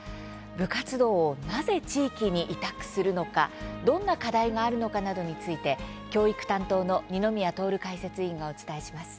部活動をなぜ地域に委託するのかどんな課題があるのかなどについて、教育担当の二宮徹解説委員がお伝えします。